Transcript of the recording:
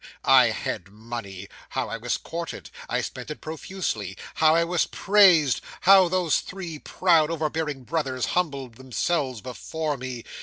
'I had money. How I was courted! I spent it profusely. How I was praised! How those three proud, overbearing brothers humbled themselves before me!